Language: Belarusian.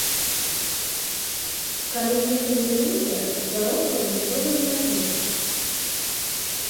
Калі нехта не выйдзе, з заробкаў нічога не аднімуць.